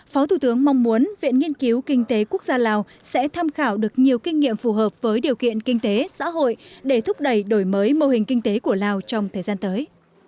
phó thủ tướng mong muốn viện nghiên cứu kinh tế quốc gia lào sẽ tham khảo được nhiều kinh nghiệm phù hợp với điều kiện kinh tế xã hội để thúc đẩy đổi mới mô hình kinh tế của lào trong thời gian tới